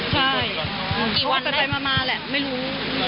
ใช่กี่วันแหละไม่รู้